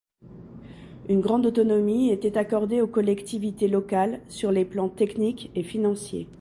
Une grande autonomie était accordée aux collectivités locales sur les plans technique et financier.